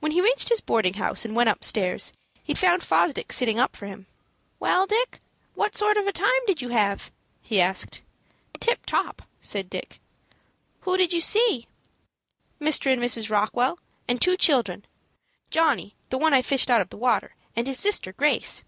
When he reached his boarding house, and went upstairs, he found Fosdick sitting up for him. "Well, Dick, what sort of a time did you have?" he asked. "Tip top," said Dick. "Who did you see?" "Mr. and Mrs. Rockwell, and two children, Johnny, the one I fished out of the water, and his sister, Grace.